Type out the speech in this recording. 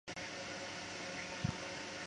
张凤翙人。